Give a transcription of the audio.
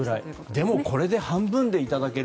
でもこれで半分くらいでいただける。